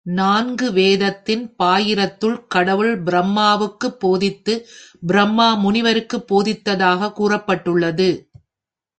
நான்கு வேதத்தின் பாயிரத்துள் கடவுள் பிரம்மாவுக்குப் போதித்து பிரம்மா முனிவருக்குப் போதித்ததாகக் கூறப்பட்டுள்ளது.